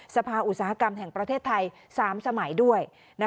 สภาอุตสาหกรรมแห่งประเทศไทย๓สมัยด้วย